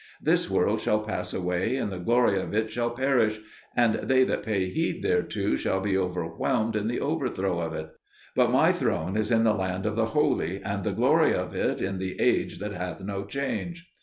"This world shall pass away and the glory of it shall perish, and they that pay heed thereto shall be overwhelmed in the overthrow of it; but my throne is in the land of the holy, and the glory of it in the age that hath no change.